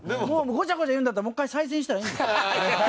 ごちゃごちゃ言うんだったらもう一回再戦したらいいんですよ。